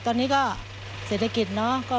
ตอนนี้ก็เศรษฐกิจ